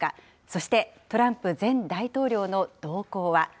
そしてトランプ前大統領の動向は。